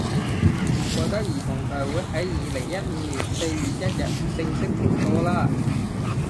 唔怪得兒童台會喺二零一五年四月一日正式停播啦